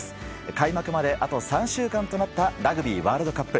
開幕まであと３週間となったラグビーワールドカップ。